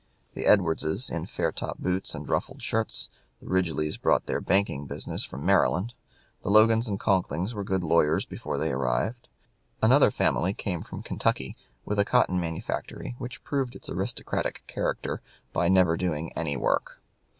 The Edwardses, in fair top boots and ruffled shirts; the Ridgelys brought their banking business from Maryland; the Logans and Conklings were good lawyers before they arrived; another family came from Kentucky, with a cotton manufactory which proved its aristocratic character by never doing any work.